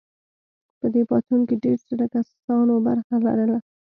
په دې پاڅون کې دیرش زره کسانو برخه لرله.